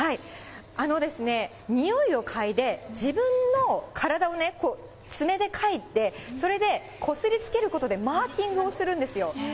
においを嗅いで、自分の体をね、爪でかいて、それでこすりつけることでマーキングをするんですよ。